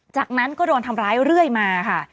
จากนั้นก็โดนทำร้ายเรื่อยมาค่ะ